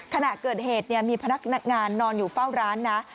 ขณะเกิดเหตุมีพนักงานนอนอยู่เฝ้าร้านนะ